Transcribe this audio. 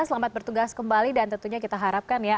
selamat bertugas kembali dan tentunya kita harapkan ya